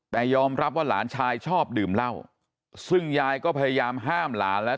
แต่ยอมรับว่าหลานชายชอบดื่มเหล้าซึ่งยายก็พยายามห้ามหลานแล้ว